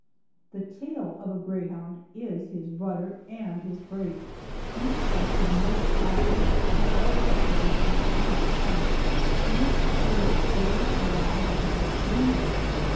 The tail of a greyhound is his rudder and his brake, and the sight is most laughable when a whole pack of them are trying to stop, each tail whirling around like a Dutch windmill.